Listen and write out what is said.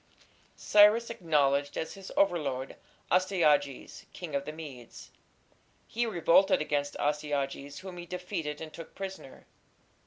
Cyrus acknowledged as his overlord Astyages, king of the Medes. He revolted against Astyages, whom he defeated and took prisoner.